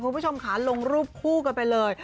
คุณผู้ชมค่ะลงรูปคู่กันไปเลย